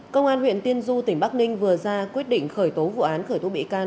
công an huyện tiên du tỉnh bắc ninh vừa ra quyết định khởi tố vụ án khởi tố bị can